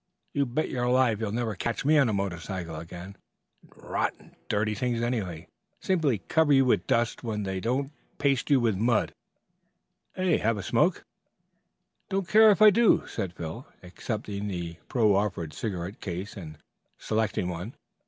you bet your life you'll never catch me on a motorcycle again. They are rotten dirty things anyhow; simply cover you with dust when they don't paste you with mud. Have a smoke?" "Don't care if I do," said Phil, accepting the proffered cigarette case and selecting one.